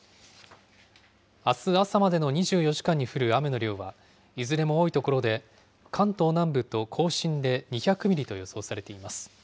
あす朝までの２４時間に降る雨の量は、いずれも多い所で、関東南部と甲信で２００ミリと予想されています。